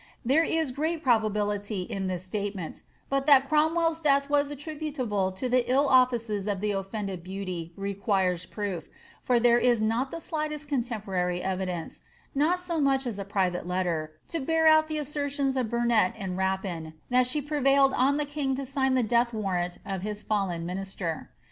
There is great pro bability in this statement ; but that CromwelPs death was attributable to the ill offices of the oflended beauty requires proof, for there is not the slightest contemporary evidence, not so much as a private letter, to bear out the assertions of Burnet and Rapin, that she prevailed on the king to sign the death warrant of his fallen minister.